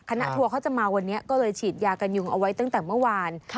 ทัวร์เขาจะมาวันนี้ก็เลยฉีดยากันยุงเอาไว้ตั้งแต่เมื่อวาน